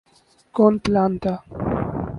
کوئی پلان تھا۔